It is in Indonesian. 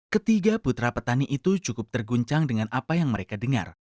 ketiga putra petani itu cukup terguncang dengan apa yang mereka dengar